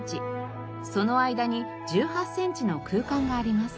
その間に１８センチの空間があります。